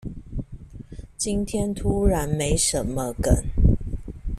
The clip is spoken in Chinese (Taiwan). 今天突然沒什麼梗